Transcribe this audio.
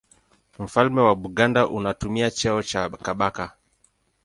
Mfalme wa Buganda anatumia cheo cha Kabaka.